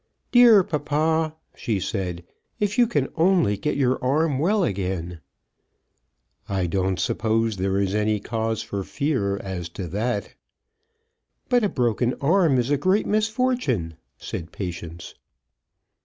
"Dear papa," she said, "if you can only get your arm well again!" "I don't suppose there is any cause for fear as to that." "But a broken arm is a great misfortune," said Patience.